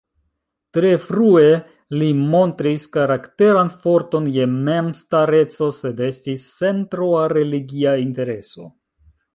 Tre frue li montris karakteran forton je memstareco sed estis sen troa religia intereso.